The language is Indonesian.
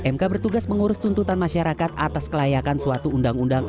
mk bertugas mengurus tuntutan masyarakat atas kelayakan suatu undang undang